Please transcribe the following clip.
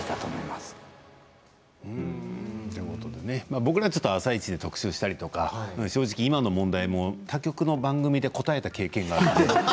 僕らは「あさイチ」で特集したりとか正直、今の問題も他局の番組で答えたことがあって。